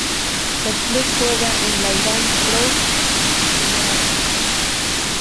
El club juega en la Iran Pro League.